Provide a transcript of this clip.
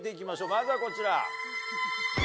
まずはこちら。